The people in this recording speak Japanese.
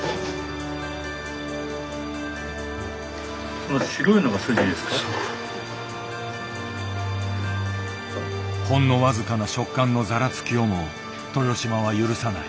ほんの僅かな食感のざらつきをも豊島は許さない。